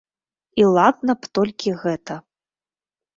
І ладна б толькі гэта.